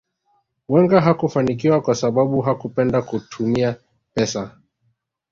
Wenger hakufanikiwa kwa sababu hakupenda kutumia pesa